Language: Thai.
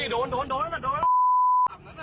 คิดมาขั้นนั้นอ่ะ